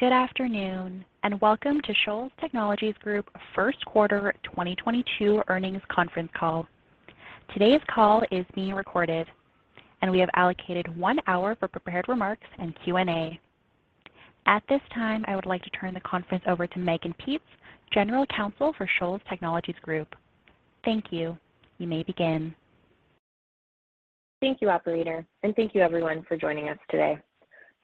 Good afternoon, and welcome to Shoals Technologies Group First Quarter 2022 Earnings Conference Call. Today's call is being recorded, and we have allocated one hour for prepared remarks and Q&A. At this time, I would like to turn the conference over to Mehgan Peetz, General Counsel for Shoals Technologies Group. Thank you. You may begin. Thank you, Operator. And thank you everyone for joining us today.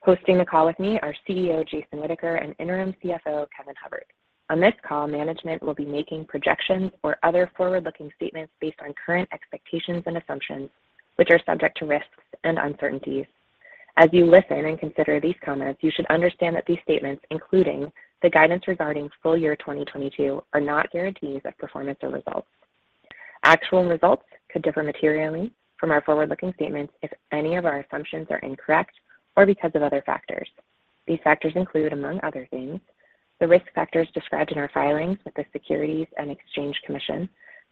Hosting the call with me are CEO Jason Whitaker and Interim CFO Kevin Hubbard. On this call, management will be making projections or other forward-looking statements based on current expectations and assumptions, which are subject to risks and uncertainties. As you listen and consider these comments, you should understand that these statements, including the guidance regarding full year 2022, are not guarantees of performance or results. Actual results could differ materially from our forward-looking statements if any of our assumptions are incorrect or because of other factors. These factors include, among other things, the risk factors described in our filings with the Securities and Exchange Commission,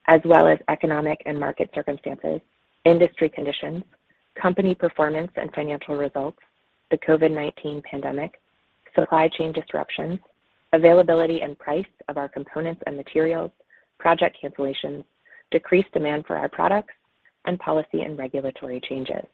as well as economic and market circumstances, industry conditions, company performance and financial results, the COVID-19 pandemic, supply chain disruptions, availability and price of our components and materials, project cancellations, decreased demand for our products, and policy and regulatory changes.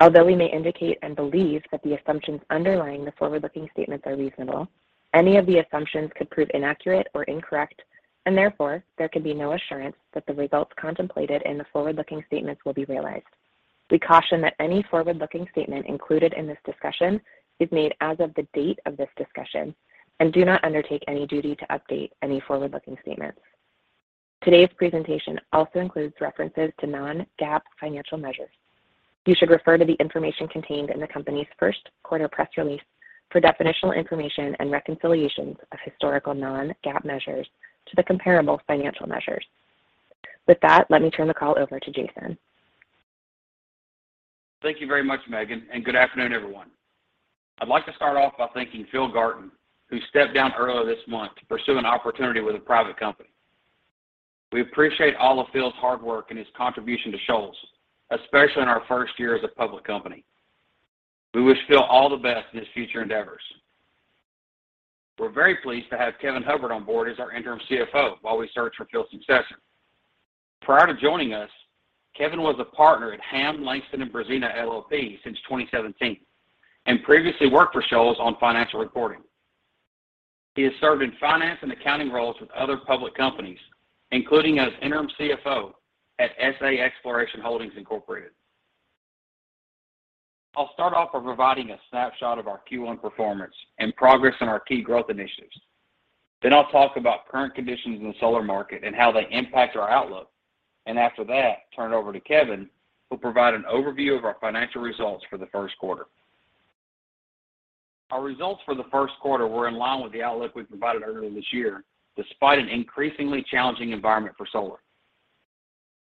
Although we may indicate and believe that the assumptions underlying the forward-looking statements are reasonable, any of the assumptions could prove inaccurate or incorrect, and therefore, there can be no assurance that the results contemplated in the forward-looking statements will be realized. We caution that any forward-looking statement included in this discussion is made as of the date of this discussion and do not undertake any duty to update any forward-looking statements. Today's presentation also includes references to non-GAAP financial measures. You should refer to the information contained in the company's first quarter press release for definitional information and reconciliations of historical non-GAAP measures to the comparable financial measures. With that, let me turn the call over to Jason. Thank you very much Mehgan, and good afternoon everyone. I'd like to start off by thanking Philip Garton, who stepped down earlier this month to pursue an opportunity with a private company. We appreciate all of Phil's hard work and his contribution to Shoals, especially in our first year as a public company. We wish Phil all the best in his future endeavors. We're very pleased to have Kevin Hubbard on board as our interim CFO while we search for Phil's successor. Prior to joining us, Kevin was a partner at Ham, Langston & Brezina, L.L.P. since 2017, and previously worked for Shoals on financial reporting. He has served in finance and accounting roles with other public companies, including as interim CFO at SAExploration Holdings, Incorporated. I'll start off by providing a snapshot of our Q1 performance and progress on our key growth initiatives. I'll talk about current conditions in the solar market and how they impact our outlook. After that, turn it over to Kevin, who'll provide an overview of our financial results for the first quarter. Our results for the first quarter were in line with the outlook we provided earlier this year, despite an increasingly challenging environment for solar.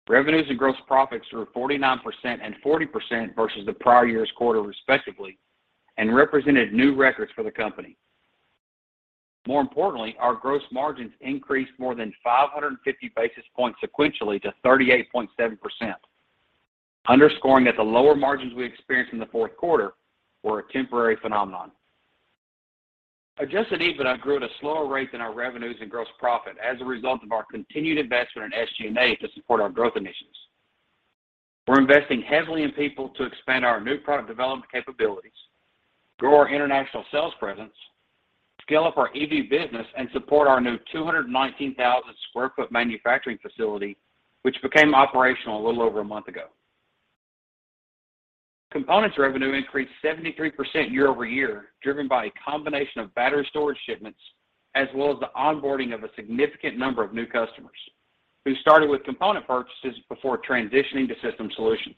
Revenues and gross profits were 49% and 40% versus the prior year's quarter, respectively, and represented new records for the company. More importantly, our gross margins increased more than 550 basis points sequentially to 38.7%, underscoring that the lower margins we experienced in the fourth quarter were a temporary phenomenon. Adjusted EBITDA grew at a slower rate than our revenues and gross profit as a result of our continued investment in SG&A to support our growth initiatives. We're investing heavily in people to expand our new product development capabilities, grow our international sales presence, scale up our EV business, and support our new 219,000 sq ft manufacturing facility, which became operational a little over a month ago. Components revenue increased 73% year-over-year, driven by a combination of battery storage shipments, as well as the onboarding of a significant number of new customers who started with component purchases before transitioning to system solutions.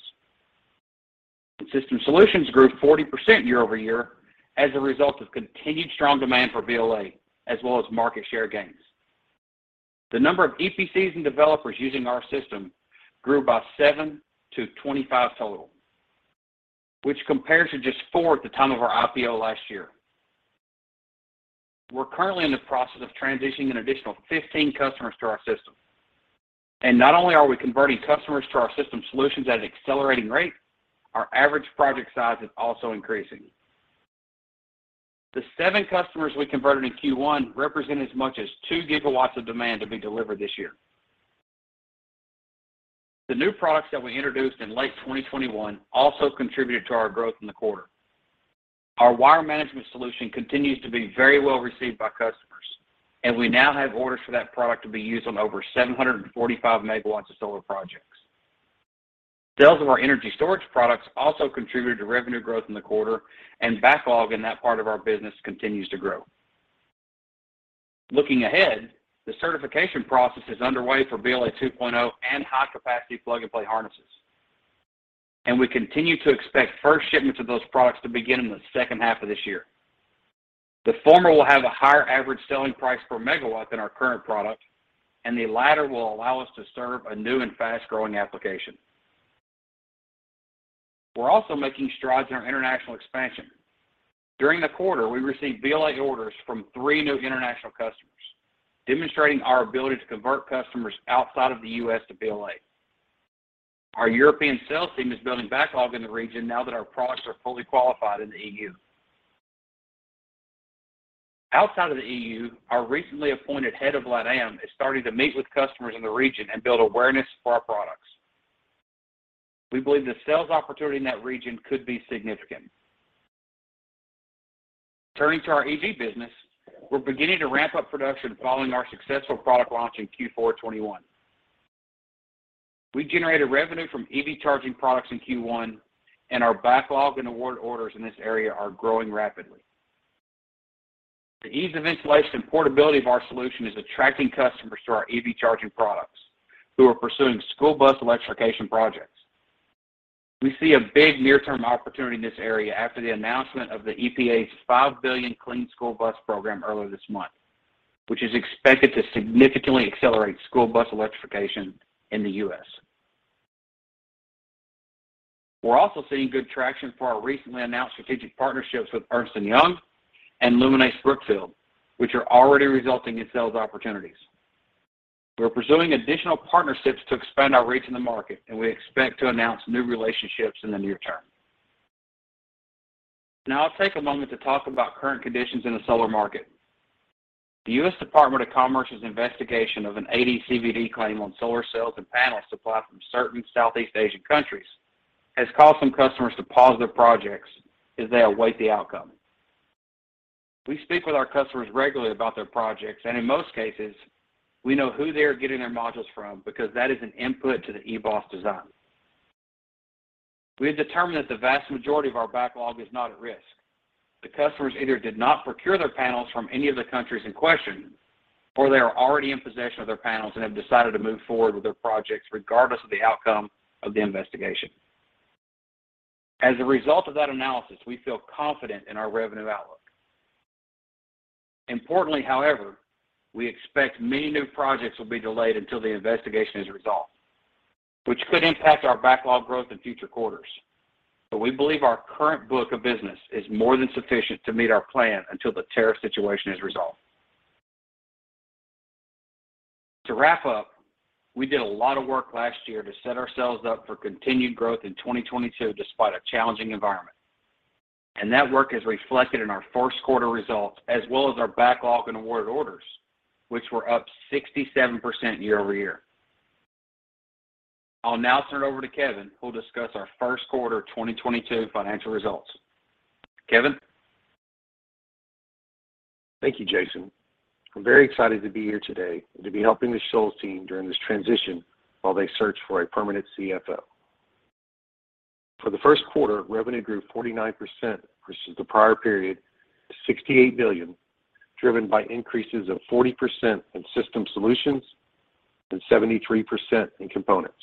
System solutions grew 40% year-over-year as a result of continued strong demand for BLA, as well as market share gains. The number of EPCs and developers using our system grew by seven to 25 total, which compares to just four at the time of our IPO last year. We're currently in the process of transitioning an additional 15 customers to our system. Not only are we converting customers to our system solutions at an accelerating rate, our average project size is also increasing. The seven customers we converted in Q1 represent as much as 2 GW of demand to be delivered this year. The new products that we introduced in late 2021 also contributed to our growth in the quarter. Our wire management solution continues to be very well received by customers, and we now have orders for that product to be used on over 745 MW of solar projects. Sales of our energy storage products also contributed to revenue growth in the quarter, and backlog in that part of our business continues to grow. Looking ahead, the certification process is underway for BLA 2.0 and high-capacity plug-and-play harnesses, and we continue to expect first shipments of those products to begin in the second half of this year. The former will have a higher average selling price per megawatt than our current product, and the latter will allow us to serve a new and fast-growing application. We're also making strides in our international expansion. During the quarter, we received BLA orders from three new international customers, demonstrating our ability to convert customers outside of the U.S. to BLA. Our European sales team is building backlog in the region now that our products are fully qualified in the EU. Outside of the EU, our recently appointed head of LatAm is starting to meet with customers in the region and build awareness for our products. We believe the sales opportunity in that region could be significant. Turning to our EV business, we're beginning to ramp up production following our successful product launch in Q4 2021. We generated revenue from EV charging products in Q1, and our backlog and award orders in this area are growing rapidly. The ease of installation and portability of our solution is attracting customers to our EV charging products who are pursuing school bus electrification projects. We see a big near-term opportunity in this area after the announcement of the EPA's $5 billion Clean School Bus Program earlier this month, which is expected to significantly accelerate school bus electrification in the U.S. We're also seeing good traction for our recently announced strategic partnerships with Ernst & Young and Brookfield Renewable, which are already resulting in sales opportunities. We're pursuing additional partnerships to expand our reach in the market, and we expect to announce new relationships in the near term. Now I'll take a moment to talk about current conditions in the solar market. The U.S. Department of Commerce's investigation of an AD/CVD claim on solar cells and panels supplied from certain Southeast Asian countries has caused some customers to pause their projects as they await the outcome. We speak with our customers regularly about their projects, and in most cases, we know who they are getting their modules from because that is an input to the eBOS design. We have determined that the vast majority of our backlog is not at risk. The customers either did not procure their panels from any of the countries in question, or they are already in possession of their panels and have decided to move forward with their projects regardless of the outcome of the investigation. As a result of that analysis, we feel confident in our revenue outlook. Importantly, however, we expect many new projects will be delayed until the investigation is resolved, which could impact our backlog growth in future quarters. We believe our current book of business is more than sufficient to meet our plan until the tariff situation is resolved. To wrap up, we did a lot of work last year to set ourselves up for continued growth in 2022 despite a challenging environment. That work is reflected in our first quarter results, as well as our backlog and awarded orders, which were up 67% year-over-year. I'll now turn it over to Kevin, who will discuss our first quarter 2022 financial results. Kevin. Thank you, Jason. I'm very excited to be here today and to be helping the Shoals team during this transition while they search for a permanent CFO. For the first quarter, revenue grew 49% versus the prior period to $68 million, driven by increases of 40% in system solutions and 73% in components.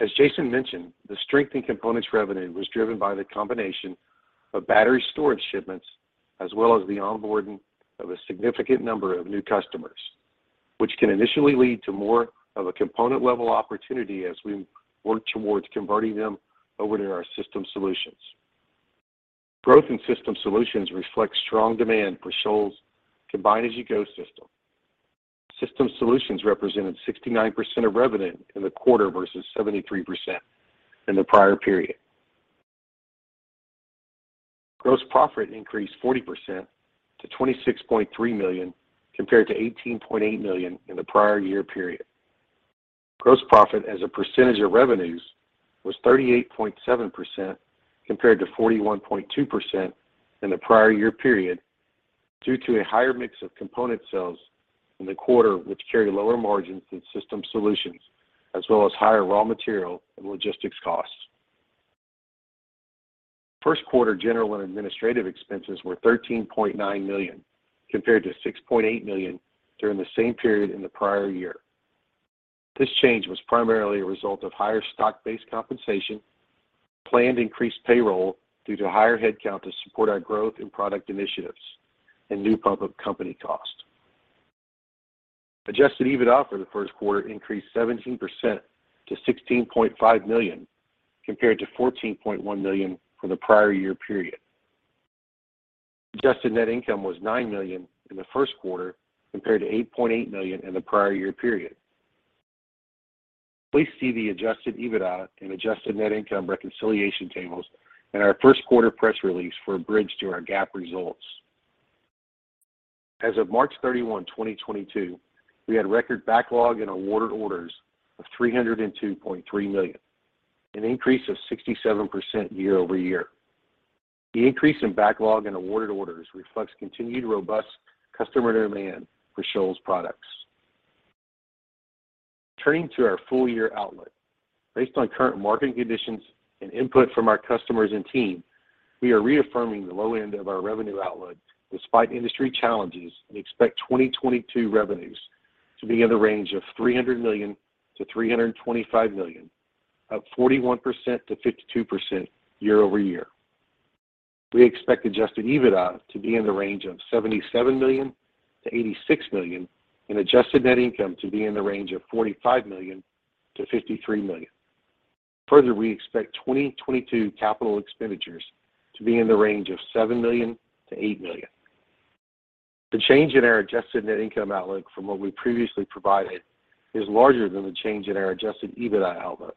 As Jason mentioned, the strength in components revenue was driven by the combination of battery storage shipments as well as the onboarding of a significant number of new customers, which can initially lead to more of a component-level opportunity as we work towards converting them over to our system solutions. Growth in system solutions reflects strong demand for Shoals's Combine-As-You-Go system. System solutions represented 69% of revenue in the quarter versus 73% in the prior period. Gross profit increased 40% to $26.3 million, compared to $18.8 million in the prior year period. Gross profit as a percentage of revenues was 38.7% compared to 41.2% in the prior year period, due to a higher mix of component sales in the quarter, which carry lower margins than system solutions, as well as higher raw material and logistics costs. First quarter general and administrative expenses were $13.9 million, compared to $6.8 million during the same period in the prior year. This change was primarily a result of higher stock-based compensation, planned increased payroll due to higher headcount to support our growth in product initiatives, and new public company cost. Adjusted EBITDA for the first quarter increased 17% to $16.5 million, compared to $14.1 million for the prior year period. Adjusted net income was $9 million in the first quarter, compared to $8.8 million in the prior year period. Please see the adjusted EBITDA and adjusted net income reconciliation tables in our first quarter press release for a bridge to our GAAP results. As of March 31, 2022, we had record backlog and awarded orders of $302.3 million, an increase of 67% year-over-year. The increase in backlog and awarded orders reflects continued robust customer demand for Shoals's products. Turning to our full year outlook. Based on current market conditions and input from our customers and team, we are reaffirming the low end of our revenue outlook despite industry challenges, and expect 2022 revenues to be in the range of $300 million-$325 million, up 41%-52% year-over-year. We expect adjusted EBITDA to be in the range of $77 million-$86 million, and adjusted net income to be in the range of $45 million-$53 million. Further, we expect 2022 capital expenditures to be in the range of $7 million-$8 million. The change in our adjusted net income outlook from what we previously provided is larger than the change in our adjusted EBITDA outlook.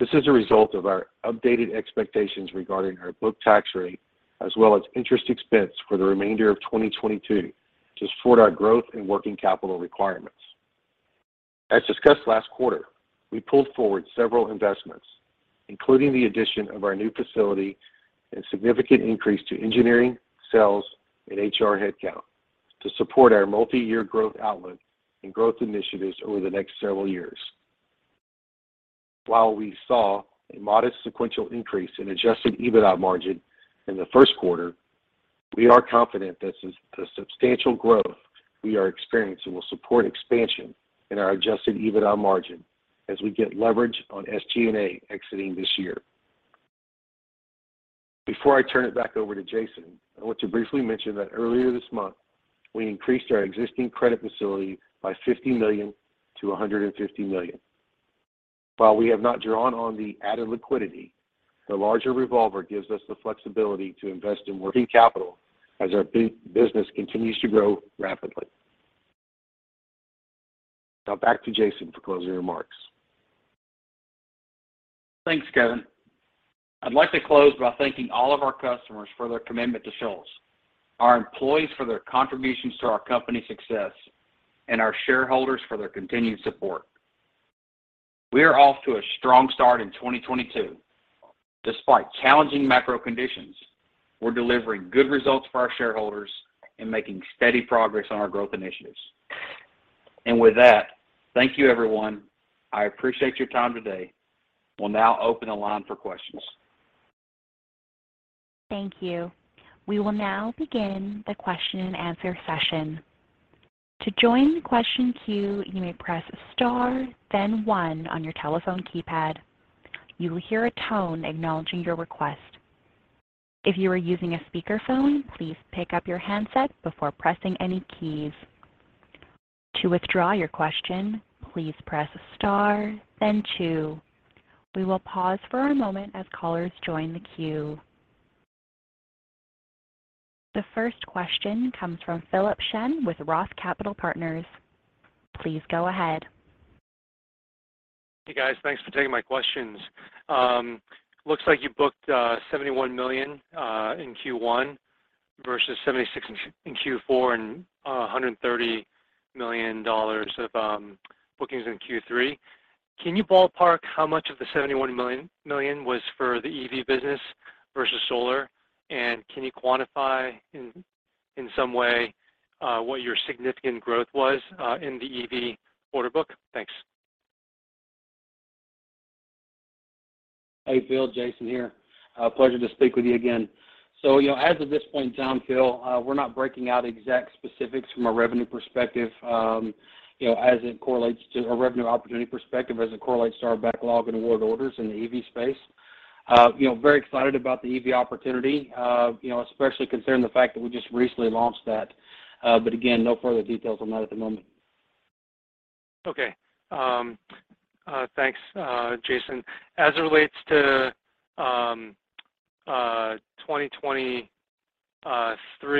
This is a result of our updated expectations regarding our book tax rate, as well as interest expense for the remainder of 2022 to support our growth and working capital requirements. As discussed last quarter, we pulled forward several investments, including the addition of our new facility and significant increase to engineering, sales, and HR headcount to support our multi-year growth outlook and growth initiatives over the next several years. While we saw a modest sequential increase in adjusted EBITDA margin in the first quarter, we are confident this is the substantial growth we are experiencing will support expansion in our adjusted EBITDA margin as we get leverage on SG&A exiting this year. Before I turn it back over to Jason, I want to briefly mention that earlier this month, we increased our existing credit facility by $50 million to $150 million. While we have not drawn on the added liquidity, the larger revolver gives us the flexibility to invest in working capital as our business continues to grow rapidly. Now back to Jason for closing remarks. Thanks, Kevin. I'd like to close by thanking all of our customers for their commitment to Shoals, our employees for their contributions to our company success, and our shareholders for their continued support. We are off to a strong start in 2022. Despite challenging macro conditions, we're delivering good results for our shareholders and making steady progress on our growth initiatives. With that, thank you, everyone. I appreciate your time today. We'll now open the line for questions. Thank you. We will now begin the question-and-answer session. To join the question queue, you may press Star, then one on your telephone keypad. You will hear a tone acknowledging your request. If you are using a speaker phone, please pick up your handset before pressing any keys. To withdraw your question, please press Star then two. We will pause for a moment as callers join the queue. The first question comes from Philip Shen with Roth Capital Partners. Please go ahead. Hey, guys. Thanks for taking my questions. Looks like you booked $71 million in Q1 versus $76 million in Q4 and $130 million of bookings in Q3. Can you ballpark how much of the $71 million was for the EV business versus solar? And can you quantify in some way what your significant growth was in the EV order book? Thanks. Hey, Phil. Jason here. Pleasure to speak with you again. You know, as of this point in time, Phil, we're not breaking out exact specifics from a revenue perspective, you know, as it correlates to a revenue opportunity perspective as it correlates to our backlog and award orders in the EV space. You know, very excited about the EV opportunity, you know, especially considering the fact that we just recently launched that. Again, no further details on that at the moment. Okay. Thanks, Jason. As it relates to 2023,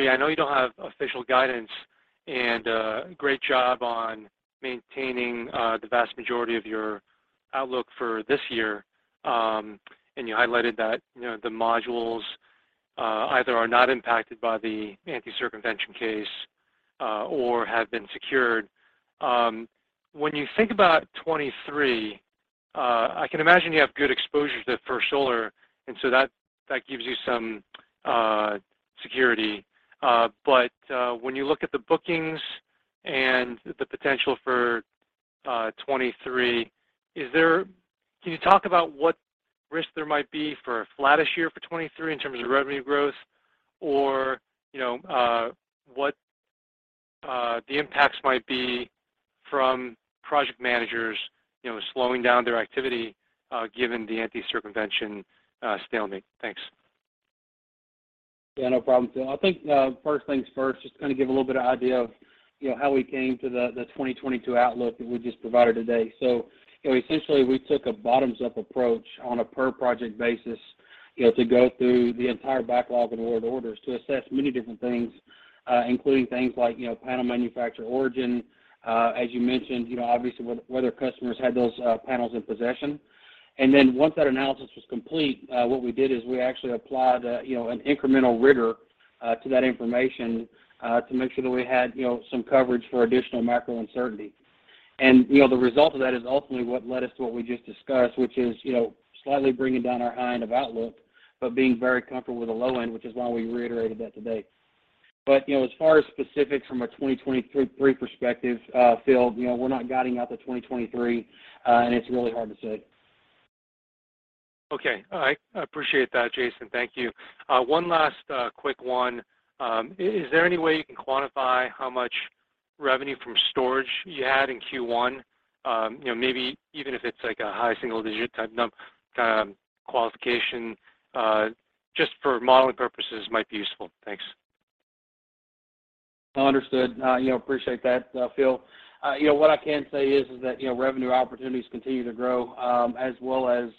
I know you don't have official guidance and great job on maintaining the vast majority of your outlook for this year. You highlighted that, you know, the modules either are not impacted by the anti-circumvention case or have been secured. When you think about 2023, I can imagine you have good exposure for solar, and so that gives you some security. When you look at the bookings and the potential for 2023, can you talk about what risk there might be for a flattish year for 2023 in terms of revenue growth or, you know, what the impacts might be from project managers, you know, slowing down their activity given the anti-circumvention stalemate? Thanks. Yeah, no problem, Phil. I think first things first, just to kind of give a little bit of idea of, you know, how we came to the 2022 outlook that we just provided today. You know, essentially, we took a bottoms-up approach on a per project basis, you know, to go through the entire backlog and award orders to assess many different things, including things like, you know, panel manufacturer origin. As you mentioned, you know, obviously, whether customers had those panels in possession. Once that analysis was complete, what we did is we actually applied, you know, an incremental rigor to that information to make sure that we had, you know, some coverage for additional macro uncertainty. You know, the result of that is ultimately what led us to what we just discussed, which is, you know, slightly bringing down our high end of outlook, but being very comfortable with the low end, which is why we reiterated that today. You know, as far as specifics from a 2023 perspective, Phil, you know, we're not guiding out to 2023, and it's really hard to say. Okay. All right. I appreciate that, Jason. Thank you. One last, quick one. Is there any way you can quantify how much revenue from storage you had in Q1? You know, maybe even if it's like a high single digit type qualification, just for modeling purposes might be useful. Thanks. Understood. You know, appreciate that, Phil. You know, what I can say is that, you know, revenue opportunities continue to grow, as well as,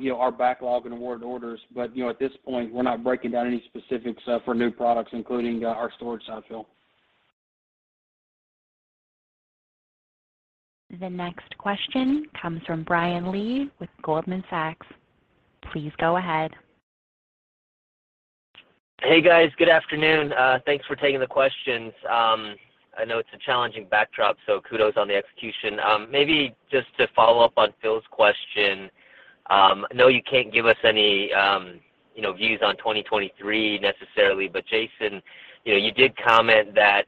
you know, our backlog and award orders. You know, at this point, we're not breaking down any specifics for new products, including our storage side, Phil. The next question comes from Brian Lee with Goldman Sachs. Please go ahead. Hey, guys. Good afternoon. Thanks for taking the questions. I know it's a challenging backdrop, so kudos on the execution. Maybe just to follow up on Phil's question, I know you can't give us any, you know, views on 2023 necessarily, but Jason, you know, you did comment that,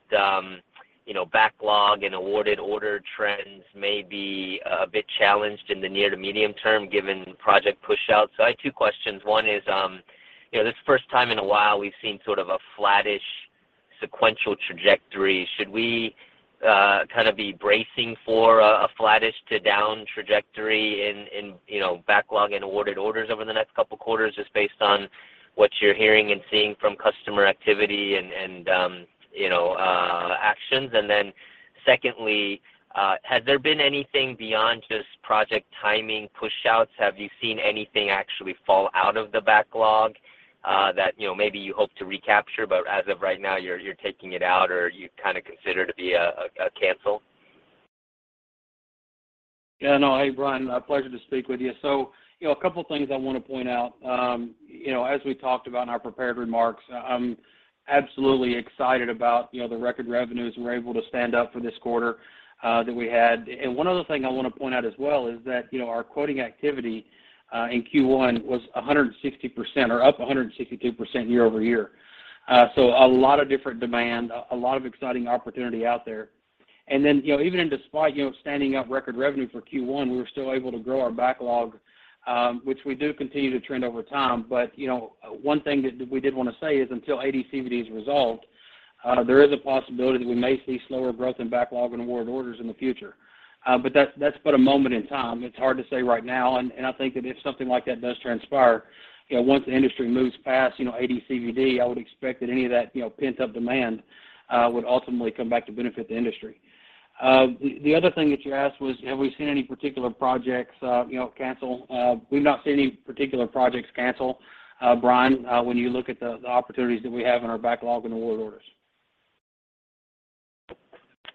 you know, backlog and awarded order trends may be a bit challenged in the near to medium term given project push out. I had two questions. One is, you know, this is the first time in a while we've seen sort of a flattish sequential trajectory. Should we kind of be bracing for a flattish to down trajectory in, you know, backlog and awarded orders over the next couple quarters just based on what you're hearing and seeing from customer activity and, you know, actions? Secondly, has there been anything beyond just project timing push outs? Have you seen anything actually fall out of the backlog, that, you know, maybe you hope to recapture, but as of right now, you're taking it out or you kind of consider to be a cancel? Yeah, no. Hey, Brian, a pleasure to speak with you. You know, a couple things I want to point out. You know, as we talked about in our prepared remarks, I'm absolutely excited about, you know, the record revenues we're able to stand up for this quarter, that we had. One other thing I want to point out as well is that, you know, our quoting activity in Q1 was 160% or up 162% year-over-year. A lot of different demand, a lot of exciting opportunity out there. Then, you know, even despite, you know, standing up record revenue for Q1, we were still able to grow our backlog, which we do continue to trend over time. You know, one thing that we did want to say is until AD/CVD is resolved, there is a possibility that we may see slower growth in backlog and award orders in the future. That's but a moment in time. It's hard to say right now. I think that if something like that does transpire, you know, once the industry moves past, you know, AD/CVD, I would expect that any of that, you know, pent-up demand would ultimately come back to benefit the industry. The other thing that you asked was, have we seen any particular projects cancel? We've not seen any particular projects cancel, Brian, when you look at the opportunities that we have in our backlog and award orders.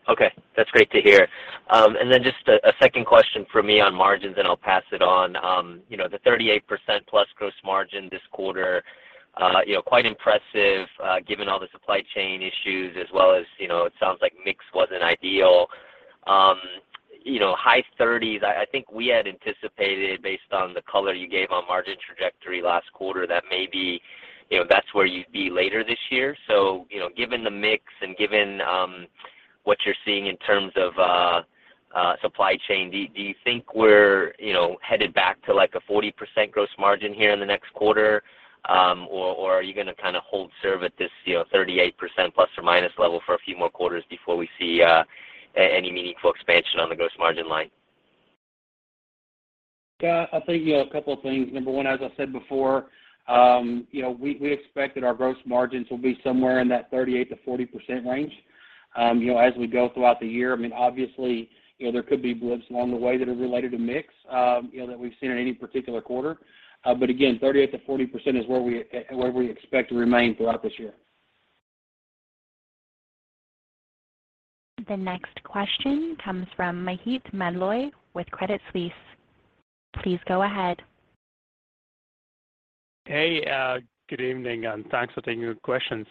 Okay. That's great to hear. And then just a second question from me on margins, and I'll pass it on. You know, the 38%+ gross margin this quarter, you know, quite impressive, given all the supply chain issues as well as, you know, it sounds like mix wasn't ideal. You know, high 30%, I think we had anticipated based on the color you gave on margin trajectory last quarter that maybe, you know, that's where you'd be later this year. You know, given the mix and given what you're seeing in terms of supply chain, do you think we're, you know, headed back to, like, a 40% gross margin here in the next quarter? Are you gonna kind of hold serve at this, you know, 38% ± level for a few more quarters before we see any meaningful expansion on the gross margin line? Yeah. I think, you know, a couple of things. Number one, as I said before, you know, we expect that our gross margins will be somewhere in that 38%-40% range, you know, as we go throughout the year. I mean, obviously, you know, there could be blips along the way that are related to mix, you know, that we've seen in any particular quarter. Again, 38%-40% is where we expect to remain throughout this year. The next question comes from Maheep Mandloi with Credit Suisse. Please go ahead. Hey, good evening, and thanks for taking the questions.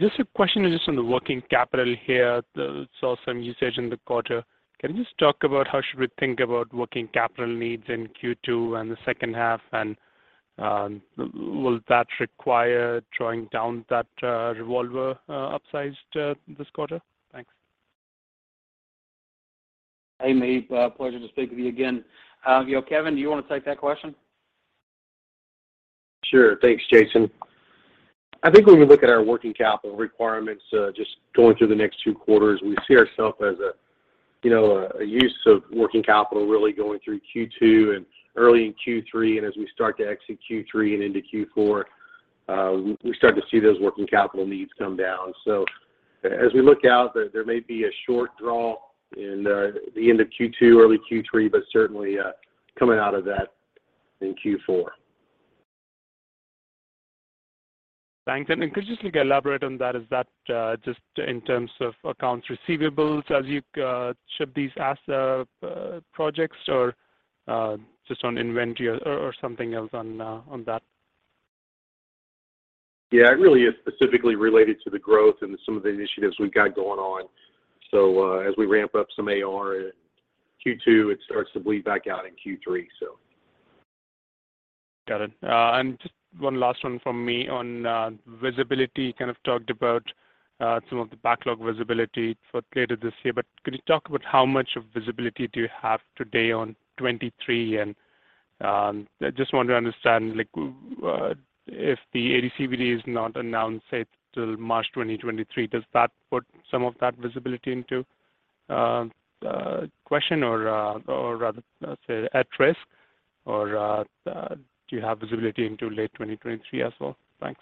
Just a question on the working capital here. Saw some usage in the quarter. Can you just talk about how should we think about working capital needs in Q2 and the second half, and will that require drawing down that revolver upsized this quarter? Thanks. Hey, Maheep. Pleasure to speak with you again. You know, Kevin, do you want to take that question? Sure. Thanks, Jason. I think when we look at our working capital requirements, just going through the next two quarters, we see ourself as a, you know, a use of working capital really going through Q2 and early in Q3. As we start to execute Q3 and into Q4, we start to see those working capital needs come down. As we look out, there may be a short draw in the end of Q2, early Q3, but certainly coming out of that in Q4. Thanks. Could you just like elaborate on that? Is that just in terms of accounts receivables as you ship these asset projects or just on inventory or something else on that? Yeah. It really is specifically related to the growth and some of the initiatives we've got going on. As we ramp up some AR in Q2, it starts to bleed back out in Q3, so. Got it. Just one last one from me on visibility. You kind of talked about some of the backlog visibility for later this year, but could you talk about how much visibility do you have today on 2023? I just want to understand, like, if the ADCVD is not announced, say, till March 2023, does that put some of that visibility into question or rather, say, at risk? Or do you have visibility into late 2023 as well? Thanks.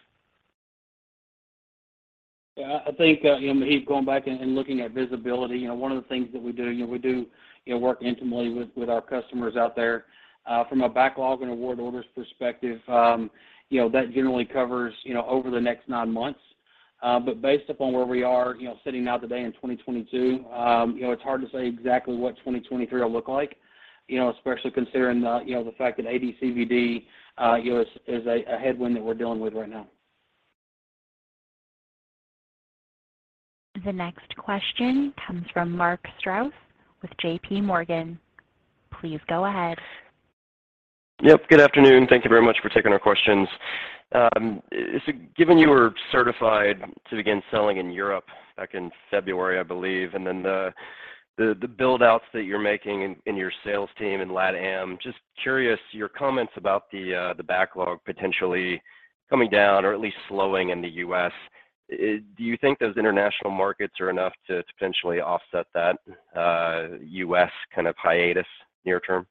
Yeah, I think, you know, Maheep, going back and looking at visibility, you know, one of the things that we do, you know, we work intimately with our customers out there. From a backlog and award orders perspective, you know, that generally covers, you know, over the next nine months. Based upon where we are, you know, sitting now today in 2022, you know, it's hard to say exactly what 2023 will look like, you know, especially considering, you know, the fact that AD/CVD, you know, is a headwind that we're dealing with right now. The next question comes from Mark Strouse with JPMorgan. Please go ahead. Yep, good afternoon. Thank you very much for taking our questions. Given you were certified to begin selling in Europe back in February, I believe, and then the build-outs that you're making in your sales team in LatAm, just curious your comments about the backlog potentially coming down or at least slowing in the U.S. Do you think those international markets are enough to potentially offset that U.S kind of hiatus near term?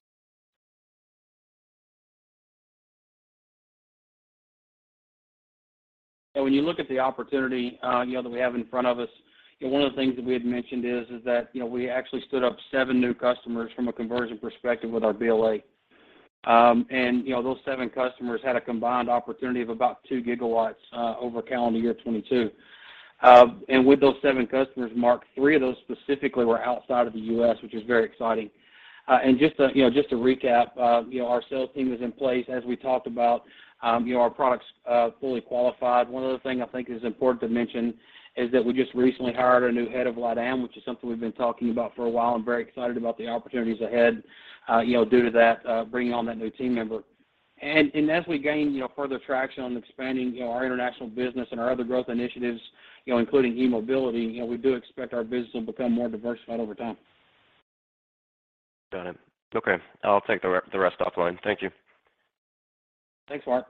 When you look at the opportunity, you know, that we have in front of us, you know, one of the things that we had mentioned is that, you know, we actually stood up seven new customers from a conversion perspective with our BLA. You know, those seven customers had a combined opportunity of about 2 GW over calendar year 2022. With those seven customers, Mark, three of those specifically were outside of the U.S., which is very exciting. Just to recap, you know, our sales team is in place. As we talked about, you know, our product's fully qualified. One other thing I think is important to mention is that we just recently hired a new head of LatAm, which is something we've been talking about for a while, and very excited about the opportunities ahead, you know, due to that, bringing on that new team member. As we gain, you know, further traction on expanding, you know, our international business and our other growth initiatives, you know, including e-mobility, you know, we do expect our business to become more diversified over time. Got it. Okay. I'll take the rest offline. Thank you. Thanks, Mark.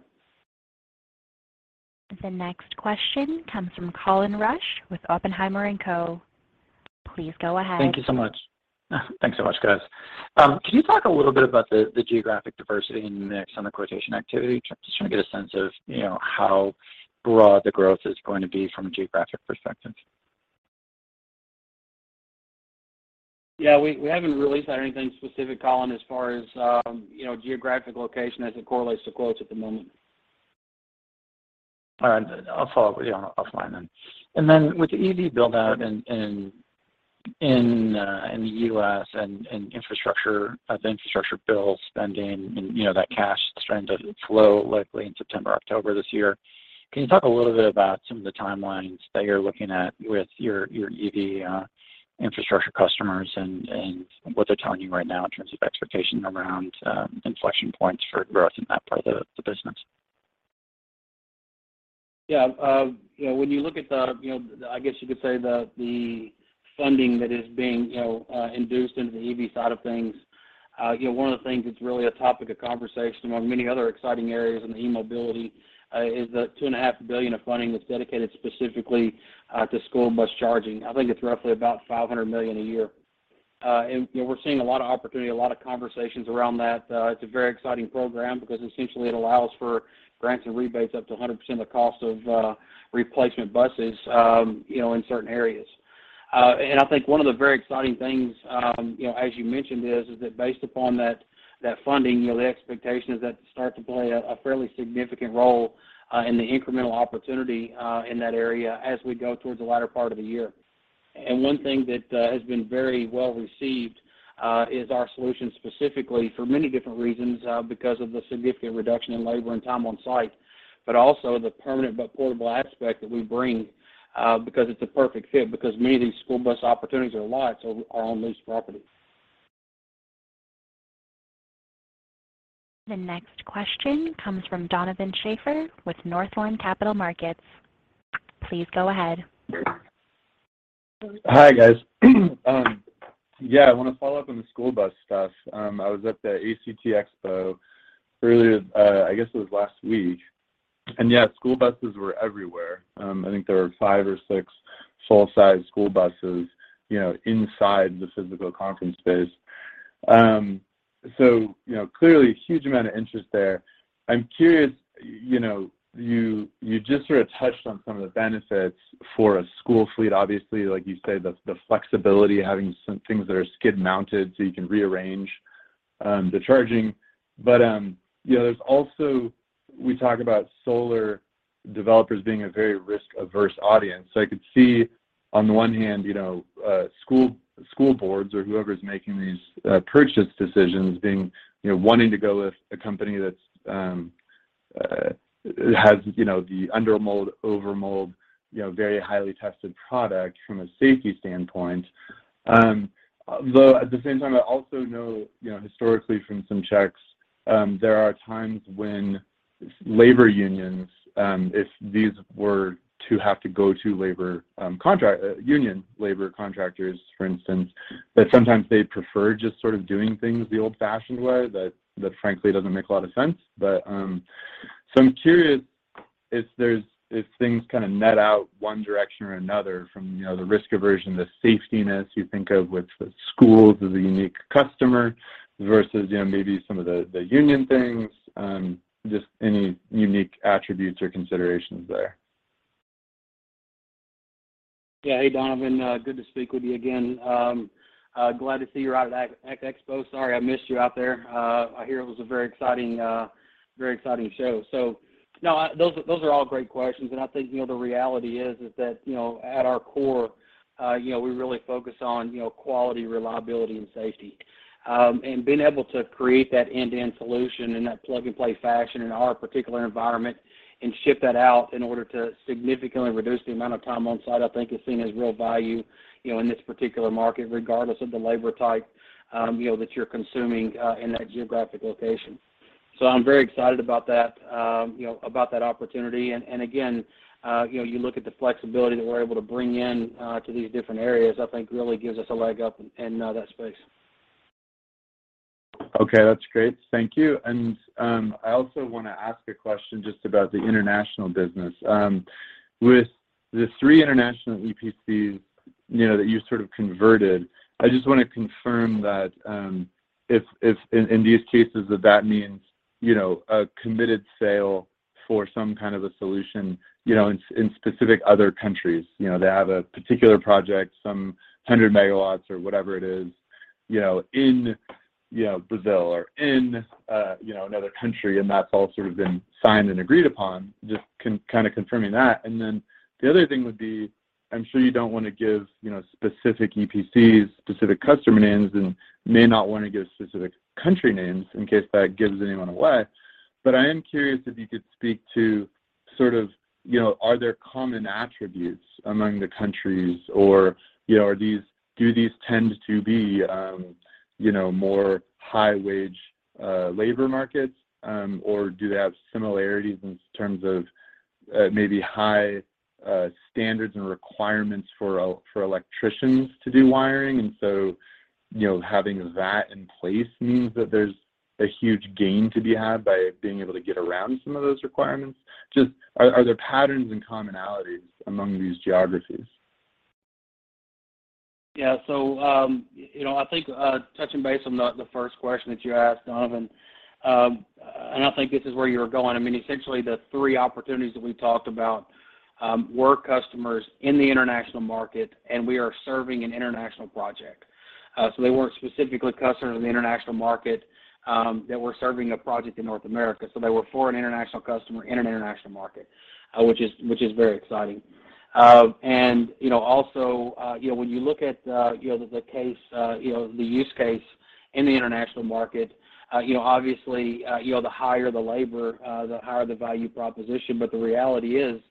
The next question comes from Colin Rusch with Oppenheimer & Co. Please go ahead. Thank you so much. Thanks so much, guys. Can you talk a little bit about the geographic diversity in the mix on the quotation activity? Just trying to get a sense of, you know, how broad the growth is going to be from a geographic perspective. Yeah. We haven't released on anything specific, Colin, as far as, you know, geographic location as it correlates to quotes at the moment. With the EV build-out in the U.S. and infrastructure, the infrastructure bill spending and, you know, that cash starting to flow likely in September, October this year, can you talk a little bit about some of the timelines that you're looking at with your EV infrastructure customers and what they're telling you right now in terms of expectation around inflection points for growth in that part of the business? Yeah. You know, when you look at the funding that is being, you know, infused into the EV side of things, you know, one of the things that's really a topic of conversation among many other exciting areas in the e-mobility is the $2.5 billion of funding that's dedicated specifically to school bus charging. I think it's roughly about $500 million a year. You know, we're seeing a lot of opportunity, a lot of conversations around that. It's a very exciting program because essentially it allows for grants and rebates up to 100% of the cost of replacement buses, you know, in certain areas. I think one of the very exciting things, you know, as you mentioned is that based upon that funding, you know, the expectation is that to start to play a fairly significant role in the incremental opportunity in that area as we go towards the latter part of the year. One thing that has been very well received is our solution specifically for many different reasons because of the significant reduction in labor and time on site, but also the permanent but portable aspect that we bring because it's a perfect fit because many of these school bus opportunities are lots or are on leased property. The next question comes from Donovan Schafer with Northland Capital Markets. Please go ahead. Hi, guys. Yeah, I want to follow up on the school bus stuff. I was at the ACT Expo earlier, I guess it was last week, and yeah, school buses were everywhere. I think there were five or six full-size school buses, you know, inside the physical conference space. So, you know, clearly a huge amount of interest there. I'm curious, you know, you just sort of touched on some of the benefits for a school fleet. Obviously, like you said, the flexibility of having some things that are skid mounted so you can rearrange the charging. You know, there's also, we talk about solar developers being a very risk-averse audience. I could see on the one hand, you know, school boards or whoever's making these purchase decisions being, you know, wanting to go with a company that has, you know, the under mold, over mold, you know, very highly tested product from a safety standpoint. Though at the same time, I also know, you know, historically from some checks, there are times when labor unions, if these were to have to go to labor contract, union labor contractors, for instance, that sometimes they prefer just sort of doing things the old-fashioned way that frankly doesn't make a lot of sense. I'm curious if things kind of net out one direction or another from, you know, the risk aversion, the safetiness you think of with the schools as a unique customer versus, you know, maybe some of the union things. Just any unique attributes or considerations there? Yeah. Hey, Donovan. Good to speak with you again. Glad to see you're out at ACT Expo. Sorry I missed you out there. I hear it was a very exciting show. No, those are all great questions. I think, you know, the reality is that, you know, at our core, you know, we really focus on, you know, quality, reliability, and safety. Being able to create that end-to-end solution in that plug-and-play fashion in our particular environment and ship that out in order to significantly reduce the amount of time on site, I think is seen as real value, you know, in this particular market, regardless of the labor type, you know, that you're consuming in that geographic location. I'm very excited about that, you know, about that opportunity. Again, you know, you look at the flexibility that we're able to bring in to these different areas. I think really gives us a leg up in that space. Okay. That's great. Thank you. I also wanna ask a question just about the international business. With the three international EPCs, you know, that you sort of converted, I just wanna confirm that, if in these cases, that means, you know, a committed sale for some kind of a solution, you know, in specific other countries. You know, they have a particular project, some 100 MW or whatever it is, you know, in you know Brazil or in you know another country, and that's all sort of been signed and agreed upon. Just kind of confirming that. The other thing would be, I'm sure you don't want to give, you know, specific EPCs, specific customer names, and may not want to give specific country names in case that gives anyone away, but I am curious if you could speak to sort of, you know, are there common attributes among the countries or, you know, are these, do these tend to be, you know, more high-wage, labor markets, or do they have similarities in terms of, maybe high, standards and requirements for electricians to do wiring, and so, you know, having that in place means that there's a huge gain to be had by being able to get around some of those requirements? Just are there patterns and commonalities among these geographies? Yeah. You know, I think touching base on the first question that you asked, Donovan, and I think this is where you were going. I mean, essentially the three opportunities that we talked about were customers in the international market, and we are serving an international project. They weren't specifically customers in the international market that were serving a project in North America. They were for an international customer in an international market, which is very exciting. You know, also, you know, when you look at, you know, the case, you know, the use case in the international market, you know, obviously, you know, the higher the labor, the higher the value proposition. The reality is,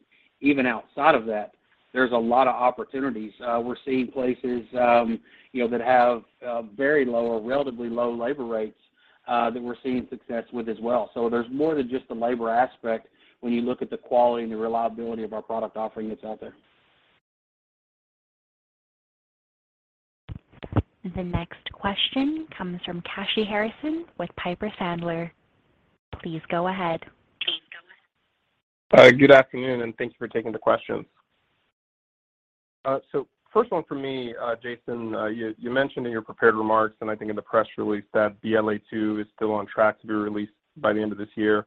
even outside of that, there's a lot of opportunities. We're seeing places, you know, that have very low or relatively low labor rates, that we're seeing success with as well. There's more than just the labor aspect when you look at the quality and the reliability of our product offering that's out there. The next question comes from Kashy Harrison with Piper Sandler. Please go ahead. Hi. Good afternoon, and thank you for taking the questions. So first one from me, Jason, you mentioned in your prepared remarks and I think in the press release that BLA 2.0 Is still on track to be released by the end of this year.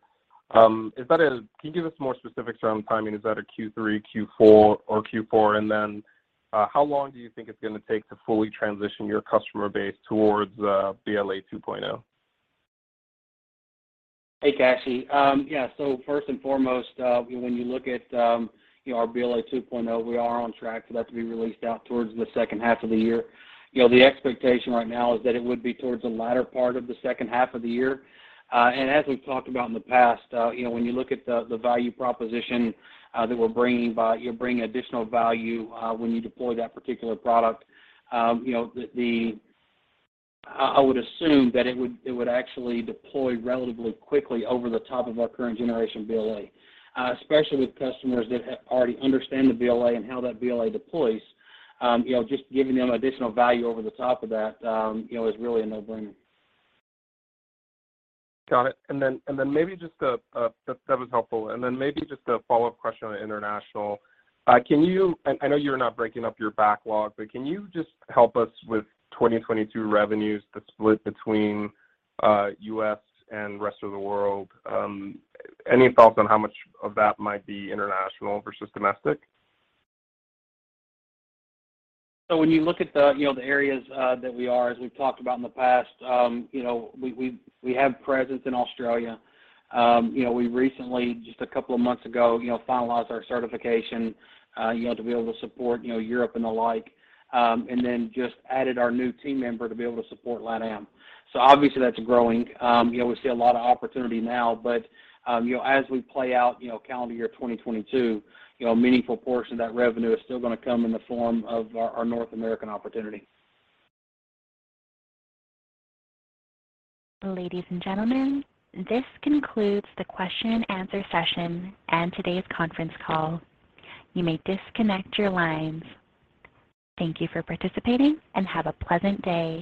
Can you give us more specifics around the timing? Is that a Q3, Q4, or Q4? And then, how long do you think it's gonna take to fully transition your customer base towards BLA 2.0? Hey, Kashy. Yeah. First and foremost, when you look at, you know, our BLA 2.0, we are on track for that to be released out towards the second half of the year. You know, the expectation right now is that it would be towards the latter part of the second half of the year. As we've talked about in the past, you know, when you look at the value proposition that we're bringing by you're bringing additional value when you deploy that particular product, you know, the I would assume that it would actually deploy relatively quickly over the top of our current generation BLA, especially with customers that have already understand the BLA and how that BLA deploys. You know, just giving them additional value over the top of that, you know, is really a no-brainer. Got it. That was helpful. Maybe just a follow-up question on international. I know you're not breaking up your backlog, but can you just help us with 2022 revenues, the split between U.S. and rest of the world? Any thoughts on how much of that might be international versus domestic? When you look at the areas that we are, as we've talked about in the past, you know, we have presence in Australia. You know, we recently, just a couple of months ago, you know, finalized our certification to be able to support Europe and the like, and then just added our new team member to be able to support LatAm. Obviously that's growing. You know, we see a lot of opportunity now, but you know, as we play out calendar year 2022, you know, a meaningful portion of that revenue is still gonna come in the form of our North American opportunity. Ladies and gentlemen, this concludes the question and answer session and today's conference call. You may disconnect your lines. Thank you for participating, and have a pleasant day.